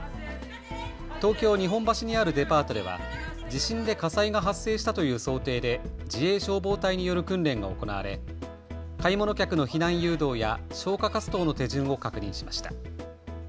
東京日本橋にあるデパートでは地震で火災が発生したという想定で自衛消防隊による訓練が行われ買い物客の避難誘導や消火活動の手順を確認しました。